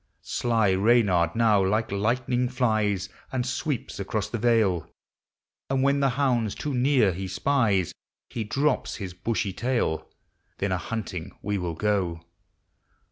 Sly Reynard now like lightning flies, And sweeps across the yale ; And when the hounds too near he spies, He drops his bushy tail. Then a hunting we will go.